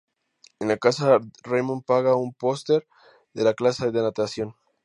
En la casa, Raymond pega un póster de la clase de natación.